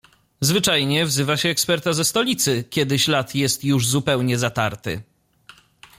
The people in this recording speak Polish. "Zwyczajnie wzywa się eksperta ze stolicy, kiedy ślad jest już zupełnie zatarty."